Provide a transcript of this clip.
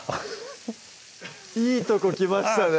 いいとこきましたね